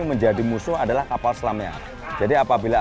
terima kasih terima kasih